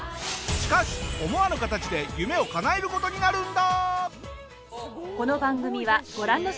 しかし思わぬ形で夢をかなえる事になるんだ。